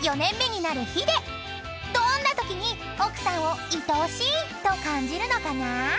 ［どんなときに奥さんをいとおしいと感じるのかな？］